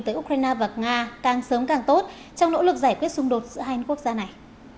tới ukraine và nga càng sớm càng tốt trong nỗ lực giải quyết xung đột giữa hai quốc gia này